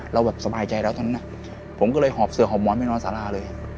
เราแบบสบายใจแล้วตอนนั้นผมก็เลยหอบเสือหอบหมอนไปนอนสาราเลย